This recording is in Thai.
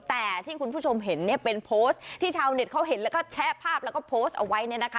แต่ที่คุณผู้ชมเห็นเนี่ยเป็นโพสต์ที่ชาวเน็ตเขาเห็นแล้วก็แชะภาพแล้วก็โพสต์เอาไว้เนี่ยนะคะ